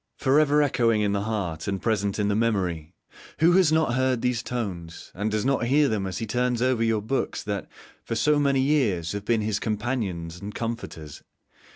For ever echoing in the heart and present in the memory: who has not heard these tones, who does not hear them as he turns over your books that, for so many years, have been his companions and comforters?